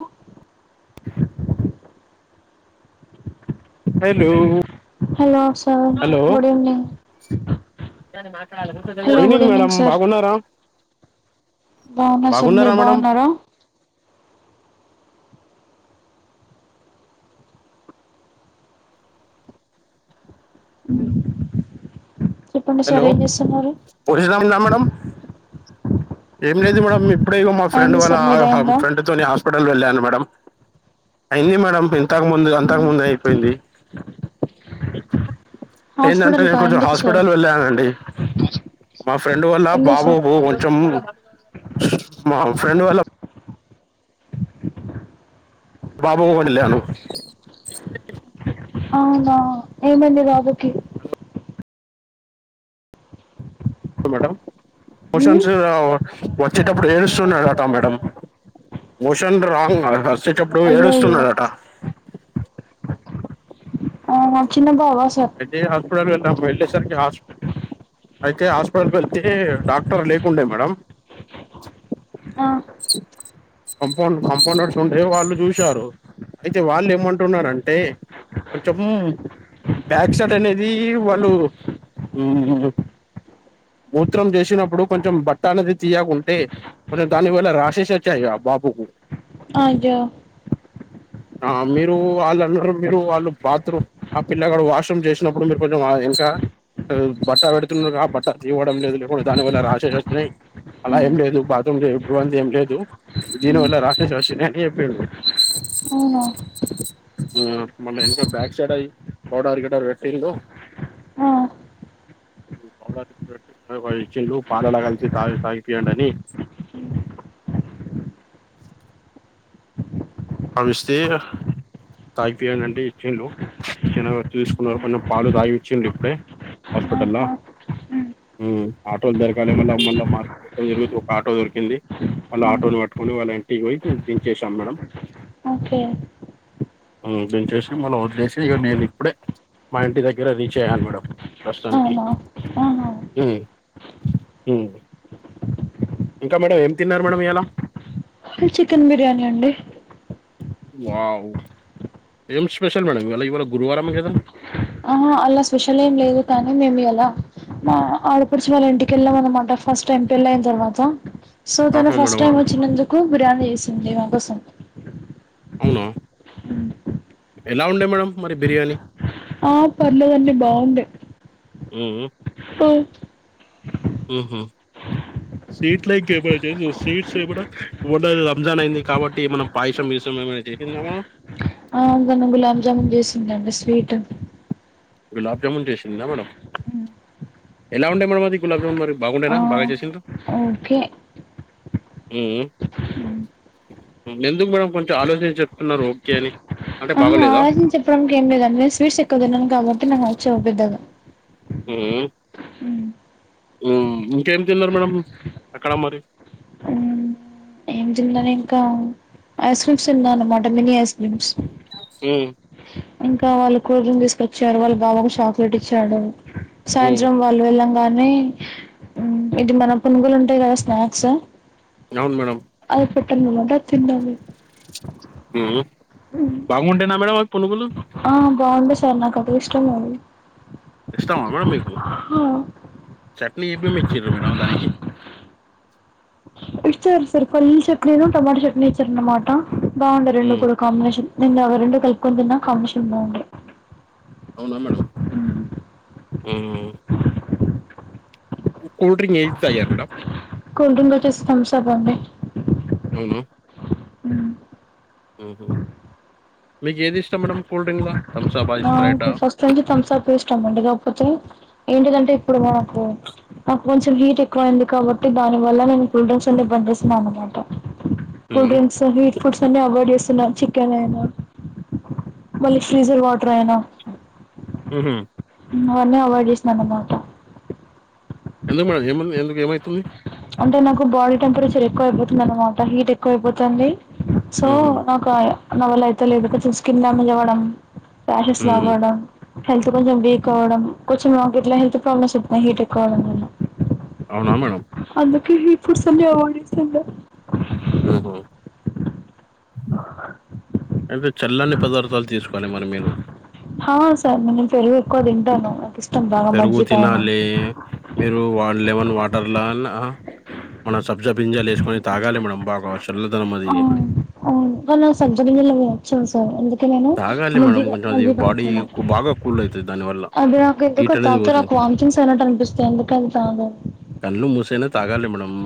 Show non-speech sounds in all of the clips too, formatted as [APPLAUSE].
అ [INAUDIBLE] hello hello sir good evening న మా good evening madam బాగున్నారా బాగున్నారు సార్ బాగున్నారా మీరు మేడం బాగున్నారా చెప్పండి సార్ హలో ఏం చేస్తున్నారు పోయెస్నాక్ చెయానా మేడం ఏం లేదు మేడం మీ అప్పుడేగ మా ఫ్రెండ్ అయింది వాళ్ళ సార్ మీద అయిందా ఫ్రెడ్తోని హాస్పిటల్ కి వెళ్ళాను మేడం ఆ అయింది మేడం ఇంతకు ముందు అంతకు ముందు అయిపోయింది అతా ఏంటంటే హాస్పిటల్ నేను కా కొంచెం ఎందుకు సార్ హాస్పిటల్ వెళ్ళానండి మా ఫ్రెండ్ వల్ల ఎందుకు సార్ బాబోబ కొంచెం మ ఫ్రడ్ వాలా బాబుగడి లేయాను అవునా ఏమండి బాబుకి మేడం షన్ ఉమ్, వచ్చేటప్పుడు ఏ సన్నాత మ్యాడమ్ మోషన్ రాంగ్ చ్చేటప్పుడు ఏడు అయ్యో అయ్యో వస్తున్నారట ఆ, మా చిన్న బాబా సార్ అయితే హాస్పిట వెళ్ అయితే హాస్పిటల్కి వెళ్చ్చి డాక్టర్ లేకుండే మేడం ఆ, కంపౌ కంపౌండర్స్ ఉండే వాళ్ళు చూసారు అయితే వాళ్ళు ఏమంటున్నారంటే కొంచెం బ్యాక్సైడ్ అనేది వాళ్ళు ఉమ్ మూత్రం చేసినప్పుడు కొంచెం బట్ట అనేది తీయకుంటే కొంచెం దాని వ రాశస చయయి బాబూకు అయో ఆ మీరు వాళ్ళున్నారు మీరు వాళ్ళు బాత్రూమ్ ఆ పిల్లగడ వాష్రూమ్ చేసినప్పుడు మీరు కొంచెం ఇంకా బట్ట పెడుతున్నారు ఆ బట్ట తీవ్వడం లేదు లేకుడా దాని వల్ల రాసే వచ్చినాయి అలా ఏం ఉమ్, లేదు బాత్రూమ్ చేయ ఇ వంద ఏం లేదు దీన వాలా రషాస్ వాచియా అని చెపిండు అవునా ఉమ్ ఆ మళ్ళీ వెనక బ్యాక్ సైడ్ అయ్య పౌడర్ గిటర్ పెట్టింళు ఆ, పౌడర్ గర్ పెట్టి ఇచ్చింళు పాలలా కలిసి తాగి తాగిపోయాడి అని కవిస్తే తాగిపోయాాలంటే ఇచ్చింళు ఇచ్చిన చూసుకున్నారు కొంచెం పాలు తాగి ఇచ్చిరు ఇప్పుడే హాస్పిటల్ల్లో ఆహా, ఉమ్, ఉమ్ ఆటోలు దొరకాలి మళ్ళీ మళ మార్కెట్ మం జరుగుంది ఒక ఆటో దొరికింది మళ్ళ ఉమ్, ఆటోని పట్టుకొని వాళ్ళ ఇంటికి పోయి దించేసాం మేడం ఓకే ఉమ్ దనిచేసి మనం వదిలేసి ఇ నేను ఇప్పుడే మా ఇంటి దగ్గర రీచ్ అయ్యాను మేడం ప్రస్తుతానికి అవునా ఆహా. ఉమ్ ఉమ్ ఇంకా మేడం ఏం తిన్నారు మేడం ఇలా చికెన్ బిర్యానీ అండి వావ్ ఏం స్పెషల్ మేడం ఇవాళ ఇవాళ గురువారం ఏ కదా అహా అలా స్పెషల్ ఏం లేదు కానీ మేమి ఇ అలా ఆడపడుచిన వాళ్ళ ఇంటికెళ్ళాం అనమాట ఫస్ట్ ట ఎంపళ్ళ అయిన తర్వాత సో తను ఆహా ఫస్ట్ మేడమా టైమ్ వచ్చినందుకు బిర్యానీ చేసాను లేవాకుసం అవునా ఎలా ఉండే మేడంమ్ మరి బిర్యానీ ఆ పర్లేదండి బాగుండ అ ఓ ఉహ్ స్వీట్లైతే స్వీట్స్ రంజాన్ అయింది కాబట్టి మనం పాయసం ఏమైనా చేసిందామా? ఆ అందన్న గులాబ్జామున్ చేసిందండి స్వీట్ గులాబ్ జామున్ చేసిందినా మేడడం ఎలా ఉండే మేడమ్ అది గులాబ్ జామున్ మరి ఆ బాగుండేనా బాగా చేసింద ఓకే ఎందుకు మేడం కొంచెం ఆలోచన చెప్తున్నారు ఓకే అని అంటే బాగలేదా ఆలోచించి చెప్పడానికి ఏం లేదండి నను స్వీట్స్ ఎక్కువ తన్నాను కాబట్టి నాకు నచ్చవ్ పెద్దగా హ మ్మ్. ఇంకేమి తిన్నారు మేడంమ్ అక్కడ మరి మ్మ్. ఏం తిందని ఇంకా ఐస్ క్రీమ్స్ తిందా అన్నమాట మినీ ఐస్ క్రీమ్స్ హ్మ్ ఇంకా వాళ్ళు కూల్ డ్రింక్ తీసుకొచ్చారు వాళ్ళ బాబాకు చాక్లెట్ ఇచ్చాడు మ్మ్. సాయంత్రం వాల్ వెలా అలానే ఇది మన పునుగులు ఉంటాయి కదా స్నాక్స్ అవును మేడమ్ [UNINTELLIGIBLE] బాగుంటాయ్ నా మేడమ్ పునుగులు ఆ బాగుంటే సార్ నాకైతే ఇష్టం అవి ఇష్టమా మేడమ్ మీకు హ చట్నీ ఏవి మర్చర మేడం దానికి ఇచ్చారు సార్ ఫల్ చట్నీ టొమాటో చట్నీ ఇచ్చరన్నమాట బాగుండ రెండు హ్మ్. కూడా కాంబినేషన్ నేను అవి రెండు కలుపుకొని తిన్నా కమిషన్ బాగుండే అవునా మేడం కూల్డ్రింక్ ఏది తాగారు మేడం కూల్‌డ్రింక్ వచ్చేసి థమ్స్ అప్ [UNINTELLIGIBLE] అవునా ఉమ్ మీకు ఏది ఇష్టం మేడంమ్ కూల్ డ్రింక్ లా తంసాబా ఫస్ట్ నుంచి తమ్సా ఇష్టమండి కాకపోతే ఏంటిదంటే ఇప్పుడు నాకు నాకు కొంచెం హీట్ ఎక్కువ అయింది కాబట్టి దాని వల్ల నేను కూల్ డ్రింక్స్ అ బంద్ చేసన్నాను అనమాట కూల్ ఉమ్. డ్రింక్స్ స్వీట్ ఫుడ్స్ అనే అవయిడ్ చేస్త చికెన్ అయినా మళ్ళీ ఫ్రీజర్ వాటర్ అయినా అ ఆహ అవన్నీ అవాయిడ్ చేసిన అనమటా ఎందుకు మేడం ఏమ ఎందుకు ఏమైతుంది అంటే నాకు బాడ టెంపరేచర్ ఎక్కువ అయిపోతుంది అన్నమాట హీట్ ఎక్కువ అయిపోతుంది సో ఉహు. నాకు నవలయితే లేదు ఊర్కే స్కిన్ డ్యామేజ్ అవడం ఉహు. రాషెస్లవడం హెల్త్ కొంచెం వీక్ అవ్వడం కొంచెం గిట్లా హెల్త్ ప్రాబ్లమ్స్ వస్తున్నాయ్ హీట్ ఎక్కువవడం వల్ల అవునా మేడం అందుకే హీట్ ఫుడ్స్ అన్ని అవైడ్ జేస్తున్న ఆహా ఐతే చల్లని పదార్థాలు తీసుకోండి మరి మీరు తింటను నాక్ ఇస్ పెరుగు తినాలే మీరు వా లెవన్ వాటర్ లలా మన సబ్జా గింజలు ఏసుకొని తాగాలి మేడం బాగా చల్లదనం అది అవును కానీ సబ్జా గింజలు నచ్చావు సార్ నేను తాగాలి మేడం మజ్జిగ కొంచెం అది మజ్జిగ బాడీ తాగుతాను కు బాగా కూల్ అవుతుంది దానివల్ల అది నాకు ఎందుకో హీట్ అనేది తాగితే పోతుంది నాకు వామిటింగ్స్ అయినట్టు అనిపిస్తుంది అందుకే అవి తాగను తగాలి మేడమ్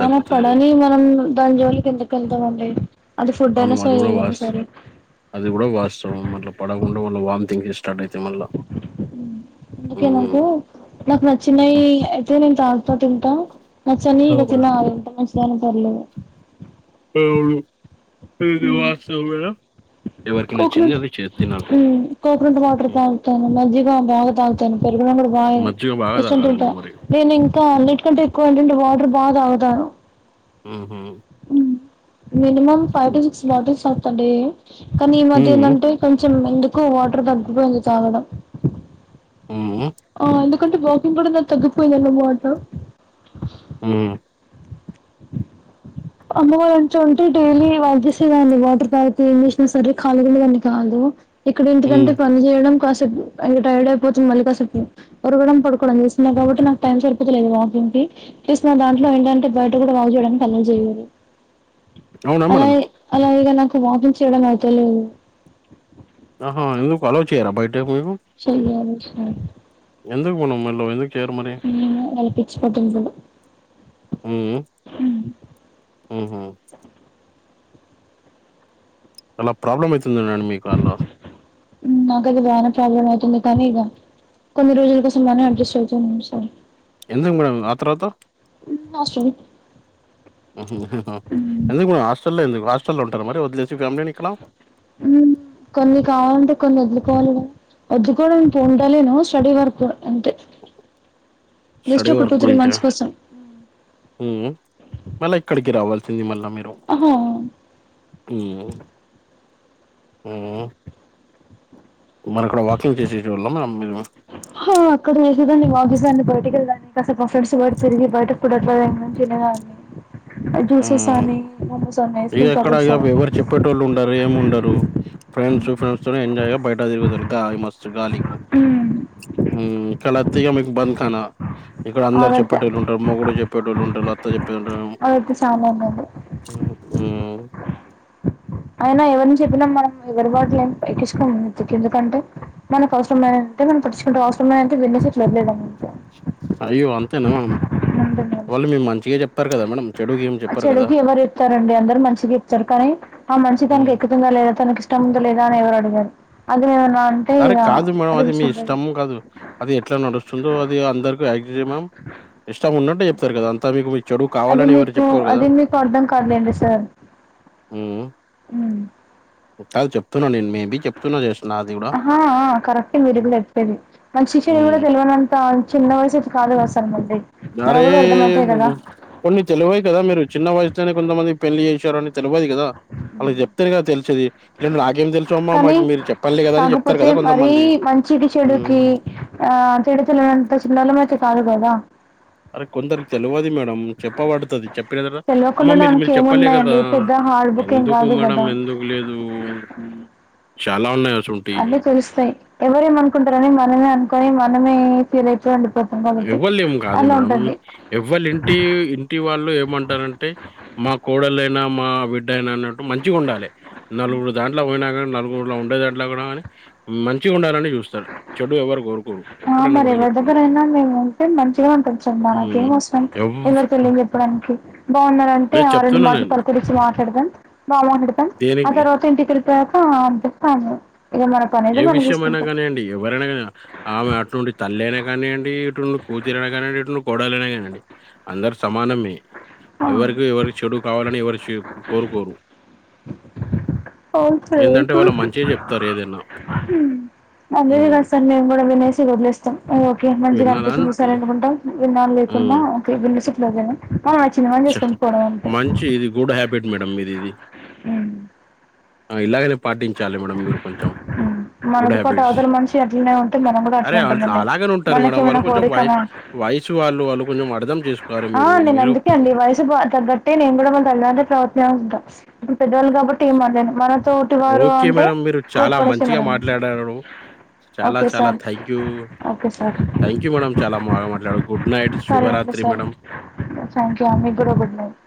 మన పడని మనం దాని జోళికిందుక వెళ్తామండి అది ఫుడ్ అవును అయినా అది ఏది గూడా అయిన సరదనా వాస్ సరే అది కూడా వాస్తవం మళ్ళీ పడకుండా మళ్ళ వార్మిటింగ్స్ స్టార్ట్ అయితయి మళ్ళీ ఓకే నాకు నాకు నచ్చినయి హ్మ్. అయితే నేను దాన్ తోటి త నచ్చనీ ఆ! ఇగ మేడం. తిందామన్ కాని పర్లేదు వు ఇది వాస్తవమేనా కోకొనట్ హుమ్ కోకొనట్ వాటర్ హ్మ్. తాగుతాను మజ్జిగ బాగా తాగుతాను పెరుగన్నం కూడా బా మజ్జిగ బాగా ఎస్కోని తాగాలి తింటా మీరు మరి. నేను ఇంకా అన్నిటి కంటే ఎక్కువ ఏంటంటే వాటర్ బాగా తా తను హుమ్ హు minimum five to six bottles per day కానీ ఈ మధ్య హ్మ్. ఎందంటే కొంచెం ఎందు ఎక్కువ్ వాటర్ తప్పిపోయింది తాగడం హ్మ్. ఆ ఎందు టె వాకింగ్ కూడా తగ్గిపోయిందనమాట హుమ్ అమ్మో ఎంతటే డైలీ వన్ చేసేదాన్ని వాటర్ తాగితే ఎం చేసిన సరే కాలిగా ఉండేదాని కాదు ఇక్కడ హ్మ్. ఏంటికంటే పని చేయడం కష్టం తను టైర్డ్ అయిపోతుంది మళ్ళీ కాసేపు ఒరగడం పడుకోవడం చేస్తున్నా కాబట్టి నాకు టైం సరిపోతలేదు వాకింగ్ కి ప్లస్ నా దాంట్లో ఏంటంటే బయట కూడా వాక్ చేయడానికి అల్లో చేయరు అవునా మేడం? అలాగే అలాగే ఇగ నాక్ వాకింగ్ చేయడం అయితలేదు ఆహా ఎందుకు అల్లో చేయరా బయట చెయ్యాలి [UNINTELLIGIBLE] [UNINTELLIGIBLE] ఇంగ నైటీ హోటల్లో హ్ హ్ ఉహ్ ఎలా ప్రాబ్లమ్ అయితే నాకు ఆది బాగానే ప్రాబ్లమ్ అయితుంది. కానీ ఇగా కొన్ని రోజుల కోసం మనం అడ్జస్ట్ అవుతం. సార్ ఎందుకు మేడం ఆ తర్వాత హాస్టల్ ఎందుకు మేడామ్ హాస్టల్ లో ఎందుకు హాస్టల్లో ఉంటార మరి వదిలేసి ఫ్యామిలీని ఇక్కడ కొన్ని కావాలంటే కొన్ని వదులుకోవాలి కదా వదులుకోవడనీకి ఉండలేను. స్టడీ వరకు అంతే జస్ట్ స్టడీ ఒక వర్క్ గురించ మంత్స్ కోసం. హ్ మళ్ళ ఇక్కడికె రావాలీ సింది మల్ల మీరు ఆహా! హ్ హ్ మనం మీరు? అక్కడ కుదరదు అండి. ఆఫిస్ అండి బయటకు వెళ్ళడానికి అసలు మా ఫ్రెండ్స్ బయాటికి తిరిగి బయటకు [UNINTELLIGIBLE] జ్యూసెస్ కని సమోసా ఇగా ఆక్కడ ఎవరు చెప్పేటోళ్ళు ఉండరు. ఏం ఉండరు ఫ్రెండ్స్ ఫ్రెండ్స్ తో ఎంజాయ్ బయట తిరుగుతారు గాలి మస్తు గాలి హ్ కలత్తి గా మీకు బంద్ కానా ఇక్కడ అందరు అదైతే చెప్పేటోళ్ళు ఉంటారు. అమ్మ కూడా చెప్పేటోళ్ళు ఉంటారు. అత్త చెప్పే ఉంటారు. అదైతే చానా ఉందండి. హ్ అయినా ఎవరి గురించి చెప్పినా మనం ఎవరి వాళ్ళు ఏం ఎక్కించుకోవద్దు. ఎందుకంటే మనకు అవసరమైనంతే మనం పట్టిచ్చుకుంటం అవసరం లేనంటే ఎన్ని సీట్లు ఇవ్వలేదు. అంత అయ్యో అంతేనా అంతే మరి. వాళ్ళు మీ మంచికె చెప్ ప్పర్ గాద మేడం చెడుగేం చెప్పరు కదా? చెడుకి ఎవరు చెప్తారండి అందరు మంచిగా చెప్తరు కానీ ఆ మనిష హ్మ్. తనకి ఎక్కుతుందా లేదా తనకి ఇష్టం ఉందా లేదా ని ఎవరు అడిగరు అదివ సరే కాదు మేడం అది మీ ఇష్టము కాదు అది ఎట్లా నడుస్తుందో అది అందరికి ఇష్టం ఉన్నట్టే చెప్తరు కదా అంతా మీకు మీ చెడు అది కావాలని ఎవరు మీకు చెప్పరు కదా అది మీకు అర్థం కాదులేండి సార్ ఉం ఉమ్. కాదు చెప్తున్నా నేను మే బి చెప్తున్నా చే అహా ఆ కరెక్ట్ మీరు కూడా చెప్పేది మంచి చెడు కూడా హ్మ్. తెల్వనంత చిన్న వయసు అయితే గ సార్ మళ్ళీ అరే కొన్ని తెలివయ కదా మీరు చిన్న వయసులోనే కొంతమంది పెళ్ళి శారని తెల్వది గాదా. ఆళ్ళకి చెప్తేనే గాదా తెలిసేది. ఇగా నాకేం తెలుసు అమ్మామ్మ కానీ కి మీరు చెప్పాలి కదా అని చెప్తారు. కాకపోతే కదా మరీ కొంతమంది మంచికి హ్ చెడుకి ఆ, తేడా తెలియనంత చిన్నోళ్ళం అయితే కాదు కదా అరే కొందరికి తెలువది మేడం చెప్పబడుతది. చెప్ ప్పిన గాద అమ్మ తెలియకుండా మీరు ఉండడానికి మీరు చెప్పాలే గాదా ఏమున్నాయండి పెద్ద హార్డ్ బుక్ ఏం ఎందుకు కాదు మేడం కదా ఎందుకు లేదు చాలా ఉన్నాయి. అసుంటియి అన్ని తెలుస్తయి ఎవరేమనుకుంటరని మనమే అనుకొని మన మనమే ఫీల్ అయిపోయి ఎవ్వలేం గాదు మేడం ఎవ్వల్ ఇంటి ఇంటి వాళ్ళు ఏమంటారంటే మా కోడలైనా మా బిడ్డయినా అన్న మంచిగ ఉండాలె నలుగురు దాంట్ల పోయినా కానీ నలుగురులో ఉండే దాంట్లా కూడా కానీ మంచిగా ఉండాలని చూస్తాడు చెడు ఎవరు గోరు ఎప్పుడైనా గుర్తుపెట్టుకోండి మేంనుంటే మంచిగా ఉంటం నాకు ఉమ్ ఏం వసరం ఎవ్ ఎవరితో ఏం చెప్పడానికి బాఉన్నర్ అంటే లేదు ఆ రెండు చెప్తున్నా మాటలు నేను పల్కరిచ్చి మా ట పెడదం బామడతమ్ అ దేనికి తర్వాత ఇంటి కె అంతస్తా [UNINTELLIGIBLE] ఏ విషయమైనా కానీ అండి ఎవరైన కా ఆమె అటుండి తల్లేనే కానియండి ఇటుండి కూతురనే కానియండి ఇటుండి కొడలనే కానివండి అందరు స సమానమే ఎవరికి ఎవరు చెడు కావాలని ఎవరు చేయీ కోరుకోరు అవును ఏందంటే వాళ్ల మంచిగా చెప్తారు ఏదైనా ఊం అదేగత హ్మ్. సార్ మేము గూడా వినేసి ఓదిలేస్తాం ఓకే మంచిగా విన్నారా అనిపిస్తుంది అంతే. సరె అనుకుంటాం విన్నాలన్ లేకున్నా హ్మ్. ఓకే ఇప్డదేన [UNINTELLIGIBLE] ఆ చిన్న మామనుచేసుకొని పోవడమే అంతే ట్ మేడమ్ ఇది ఇది ఆ ఇలాగే రేప్ పాటించాలి మేడం మీరు కొంచెం గుడ్ మనతో పాటు హ్యాబిట్స్ అవతల మనిషి అట్లనే ఉంటే మనం కూడా అట్లే అరే అ ఉంటామండి అలాగనే ఉంటారు మేడం మనకేమైనా వారు కొంచెం వయ కోరికనా వయసు వాళ్ళు వాళ్ళు కొంచెం అర్థం చేసుకోవాలి ఆ మీరు నేను మీరు కు అందుకే అండి వయసు తగ్గటె నేను కూడా మన [UNINTELLIGIBLE] ఉంటా ఇప్పుడు పెద్దవాళ్ళు కాబట్టి ఏమనలేము మన తోటి వారు ఆ ఓకే మేడం మీరు చాలా మంచిగా మాట్లాడారు చాల ఓకే చాలా sir thank you okay sir thank you madam చాలా మాగా మాట్లాడు సరే అండి సరె థ్యాంక్ యూ అ మీకూడా గుడ్ నైట్